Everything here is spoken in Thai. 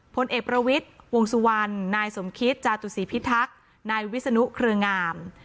พลเอกประวิทย์วงสุวรรณนายสมคิตจาตุศีพิทักษ์นายวิศนุเครืองาม